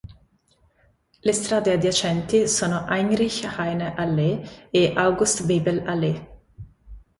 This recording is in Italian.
Le strade adiacenti sono Heinrich Heine Allee e August Bebel Allee.